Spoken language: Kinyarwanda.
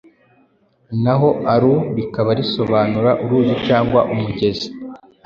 naho aru rikaba risobanura uruzi cyangwa umugezi .